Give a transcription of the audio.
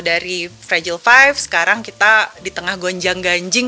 dari fragile five sekarang kita di tengah gonjang ganjing